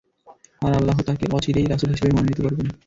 আর আল্লাহ তাঁকে অচিরেই রাসূল হিসেবে মনোনীত করবেন।